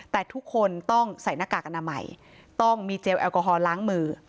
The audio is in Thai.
แต่ทุกคนต้องใส่หน้ากากอนามัยต้องมีเจลแอลกอฮอลล้างมือ